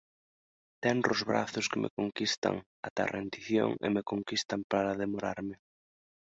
Tenros brazos que me conquistan ata a rendición e me conquistan para demorarme.